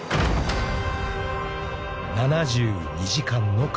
［７２時間の壁］